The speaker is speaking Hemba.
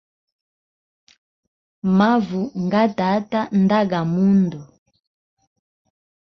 Mavu nga tata nda ga mundu.